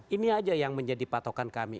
ini aja yang menjadi patokan kami